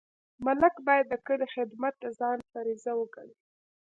ملک باید د کلي خدمت د ځان فریضه وګڼي.